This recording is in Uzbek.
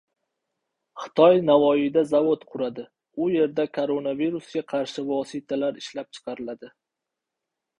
Xitoy Navoiyda zavod quradi. U yerda koronavirusga qarshi vositalar ishlab chiqariladi